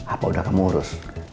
apa udah kamu urus